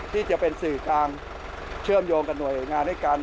ที่จะเป็นสื่อกลางเชื่อมโยงกับหน่วยงานด้วยกัน